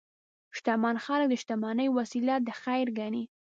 شتمن خلک د شتمنۍ وسیله د خیر ګڼي.